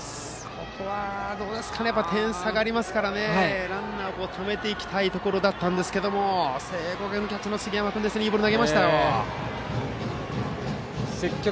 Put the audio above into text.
ここは点差がありますからランナーをためていきたいところだったんですが聖光学院のキャッチャーの杉山君、いいボール投げましたよ。